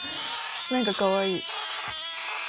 何かかわいい。